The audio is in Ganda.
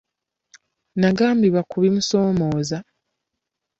Nagambibwa ku bimusoomooza.